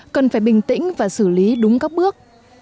cần phải bình tĩnh và xử lý đúng các bước